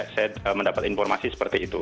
saya mendapat informasi seperti itu